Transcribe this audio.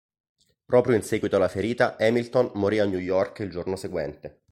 Proprio in seguito alla ferita, Hamilton morì a New York il giorno seguente.